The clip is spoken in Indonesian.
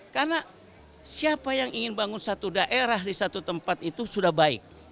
karena siapa yang ingin bangun satu daerah di satu tempat itu sudah baik